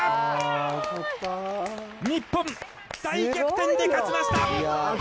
日本、大逆転で勝ちました。